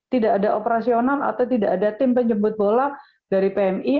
tidak ada operasional atau tidak ada tim penjemput bola dari pmi